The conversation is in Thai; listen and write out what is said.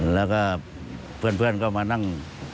แล้วก็เพื่อนก็มานั่ง